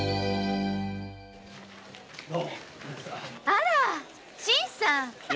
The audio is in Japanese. あら新さん。